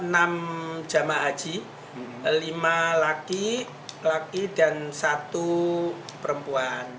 enam jemaah haji lima laki laki dan satu perempuan